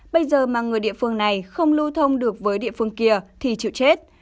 bây giờ mà người địa phương này không lưu thông được với địa phương kia thì chịu chết